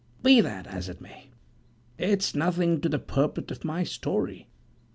Be that as it may, it's nothing to the purport of my story.